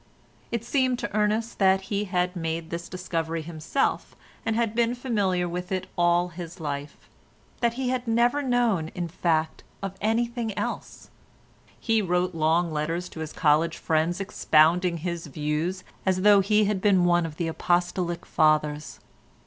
It seemed to Ernest that he had made this discovery himself and been familiar with it all his life, that he had never known, in fact, of anything else. He wrote long letters to his college friends expounding his views as though he had been one of the Apostolic fathers.